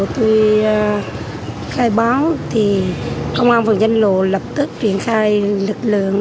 tôi khai báo thì công an phường danh lộ lập tức triển khai lực lượng